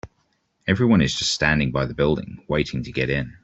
Everyone is just standing by the building, waiting to get in.